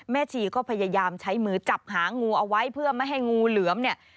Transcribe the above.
ชีก็พยายามใช้มือจับหางูเอาไว้เพื่อไม่ให้งูเหลือมเนี่ย